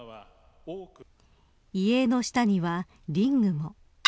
遺影の下にはリングも。